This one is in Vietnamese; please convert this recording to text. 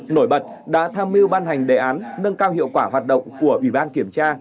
nổi bật đã tham mưu ban hành đề án nâng cao hiệu quả hoạt động của ủy ban kiểm tra